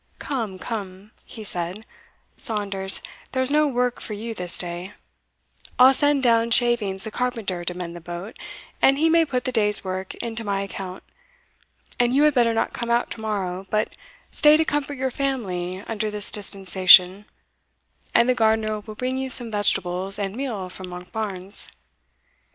"Come, come," he said, "Saunders, there is no work for you this day I'll send down Shavings the carpenter to mend the boat, and he may put the day's work into my account and you had better not come out to morrow, but stay to comfort your family under this dispensation, and the gardener will bring you some vegetables and meal from Monkbarns."